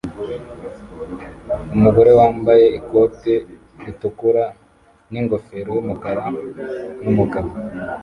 Umugore wambaye ikote ritukura ningofero yumukara numugabo